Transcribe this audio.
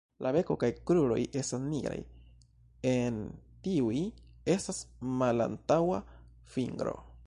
La beko kaj kruroj estas nigraj; en tiuj estas malantaŭa fingro.